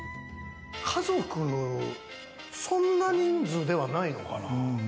家族、そんな人数ではないのかな？